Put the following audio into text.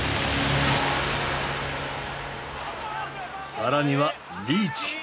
更にはリーチ。